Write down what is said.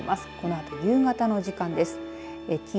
このあと夕方の時間です。